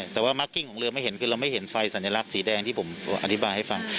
แต่ว่ามากกิ้งของเรือไม่เห็นคือเราไม่เห็นไฟสัญลักษณ์สีแดงที่ผมอธิบายให้ฟัง